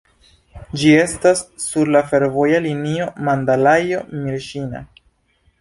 Ĝi estas sur la fervoja linio Mandalajo-Mjiĉina.